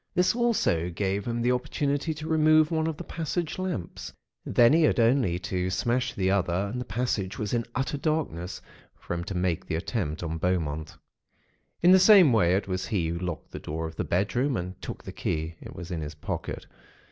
This also gave him the opportunity to remove one of the passage lamps. Then he had only to smash the other, and the passage was in utter darkness, for him to make the attempt on Beaumont. "In the same way, it was he who locked the door of the bedroom, and took the key (it was in his pocket).